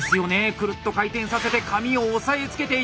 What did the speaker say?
クルッと回転させて紙を押さえつけていた！